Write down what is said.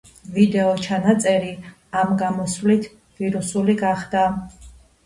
ვიდეო-ჩანაწერი ამ გამოსვლით ვირუსული გახდა.